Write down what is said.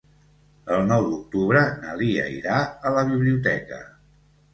El nou d'octubre na Lia irà a la biblioteca.